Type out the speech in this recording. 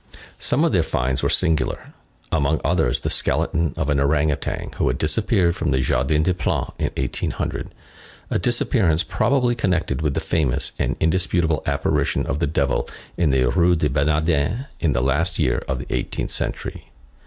Some of their finds were singular; among others, the skeleton of an ourang outan, who had disappeared from the Jardin des Plantes in 1800, a disappearance probably connected with the famous and indisputable apparition of the devil in the Rue des Bernardins, in the last year of the eighteenth century.